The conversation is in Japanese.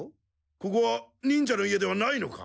ここは忍者の家ではないのか？